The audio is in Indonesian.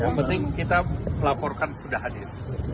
yang penting kita melaporkan sudah hadir